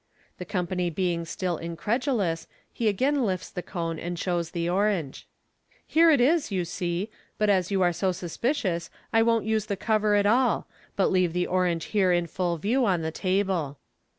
The company being still incredulous, he again lifts the cone and shows the orange. " Here it is, you see, but as you are so suspicious, I won't use the cover at all, but leave the orange here in full view on the table."